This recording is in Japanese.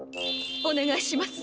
おねがいします。